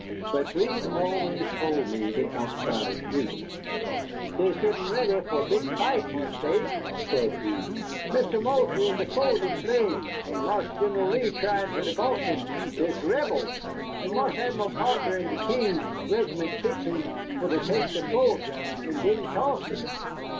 But Breed always told me the outside news. "Dey's gittin' ready fo' a big fight, Marse Dave," said he. "Mister Moultrie in the fo't in de bay, an' Marse Gen'l Lee tryin' for to boss him. Dey's Rebels. An' Marse Admiral Parker an' de King's reg'ments fixin' fo' to tek de fo't, an' den Charlesto'n.